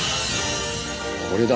これだ！